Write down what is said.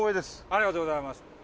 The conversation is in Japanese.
ありがとうございます。